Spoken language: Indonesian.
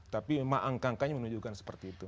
tapi memang angka angkanya menunjukkan seperti itu